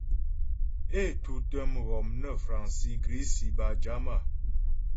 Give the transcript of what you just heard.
É tǔtə mghɔm nə́ fraŋsi, grisi bâ jama.